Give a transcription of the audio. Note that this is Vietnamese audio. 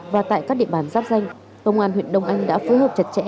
và tại các địa bàn giáp danh cơ quan huyện đông anh đã phối hợp chặt chẽ